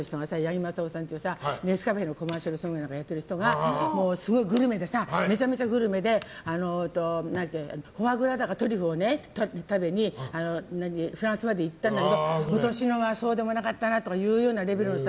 ネスカフェのコマーシャルソングやっている人がすごいグルメでめちゃめちゃグルメでフォアグラだかトリュフを食べにフランスまで行ったんだけど今年のはそうでもなかったなとか言うレベルの人。